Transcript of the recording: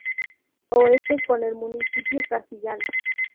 Oeste: Con el Municipio Cagigal.